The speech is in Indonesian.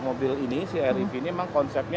mobil ini si arief ini memang konsepnya